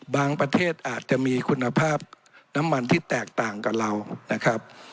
ประเทศอาจจะมีคุณภาพน้ำมันที่แตกต่างกับเรานะครับ